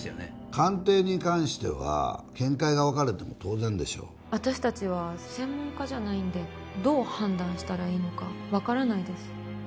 鑑定に関しては見解が分かれても当然でしょう私達は専門家じゃないんでどう判断したらいいのか分からないです